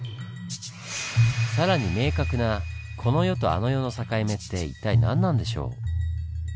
更に明確な「この世とあの世の境目」って一体何なんでしょう？